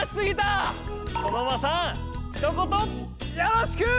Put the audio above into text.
ソノマさんひと言よろしく！